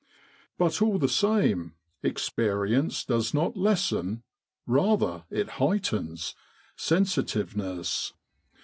But all the same, experience does not lessen rather it heightens sensitiveness.